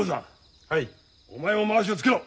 お前もまわしをつけろ。